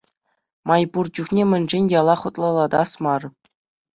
Май пур чухне мӗншӗн яла хӑтлӑлатас мар?